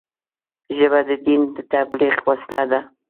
ژبه د دین د تبلیغ وسیله ده